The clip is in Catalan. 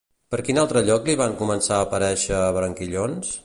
Per quin altre lloc li van començar a aparèixer branquillons?